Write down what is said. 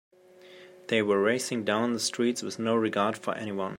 They were racing down the streets with no regard for anyone.